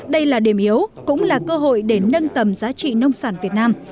đây là điểm yếu cũng là cơ hội để nâng tầm giá trị nông sản việt nam